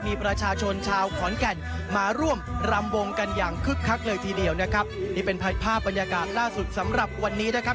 มีประชาชนชาวขอนแก่นมาร่วมรำวงกันอย่างคึกคักเลยทีเดียวนะครับนี่เป็นภาพบรรยากาศล่าสุดสำหรับวันนี้นะครับ